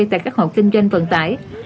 tại các hồ kinh doanh vận tải